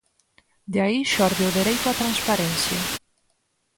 De aí xorde o dereito á transparencia.